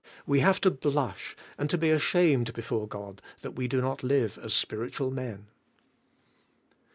We have to blush and to be ashamed before God that we do not live as spiritual men."